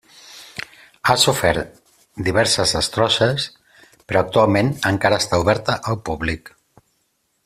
Ha sofert diverses destrosses, però actualment encara està oberta al públic.